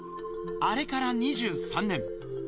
あれから２３年。